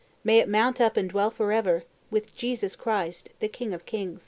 May it mount up and dwell forever with Jesus Christ, the King of kings!"